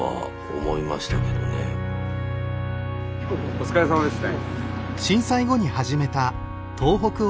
お疲れさまですね。